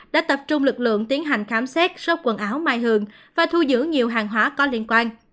đã tập trung lực lượng tiến hành khám xét số quần áo mai hường và thu giữ nhiều hàng hóa có liên quan